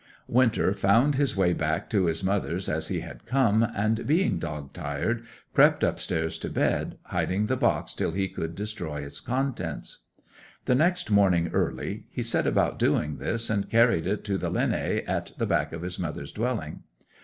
'Winter found his way back to his mother's as he had come, and being dog tired, crept upstairs to bed, hiding the box till he could destroy its contents. The next morning early he set about doing this, and carried it to the linhay at the back of his mother's dwelling.